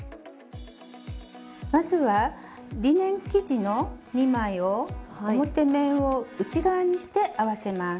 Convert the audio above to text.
まずはリネン生地の２枚を表面を内側にして合わせます。